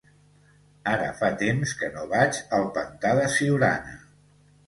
Ara fa temps que no vaig al pantà de Siurana.